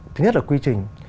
thứ nhất là quy trình